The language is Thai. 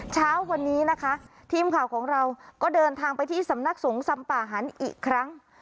เช้าวันนี้นะคะทีมข่าวของเราก็เดินทางไปที่สำนักสงฆ์สำป่าหันอีกครั้ง